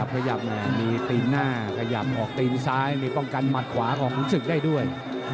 ขยับมีตีนหน้าไอออกตีนซ้ายมีป้องกันหวังขวาของลูกสึกได้ด้วย